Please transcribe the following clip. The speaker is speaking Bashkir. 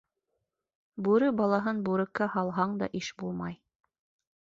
Бүре балаһын бүреккә һалһаң да иш булмай